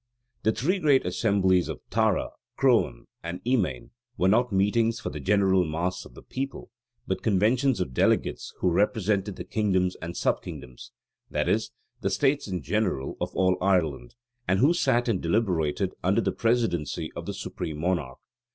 The three great assemblies of Tara, Croghan, and Emain were not meetings for the general mass of the people, but conventions of delegates who represented the kingdoms and sub kingdoms, i.e., the states in general of all Ireland, and who sat and deliberated under the presidency of the supreme monarch.